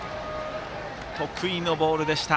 得意のボールでした。